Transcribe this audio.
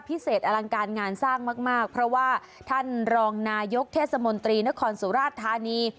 อลังการงานสร้างมากมากเพราะว่าท่านรองนายกเทศมนตรีนครสุราชธานี